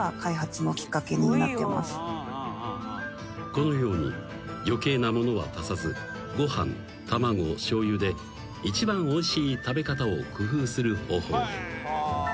［このように余計なものは足さずご飯卵しょうゆで一番おいしい食べ方を工夫する方法へ］